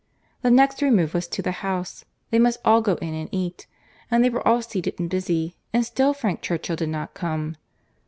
The next remove was to the house; they must all go in and eat;—and they were all seated and busy, and still Frank Churchill did not come.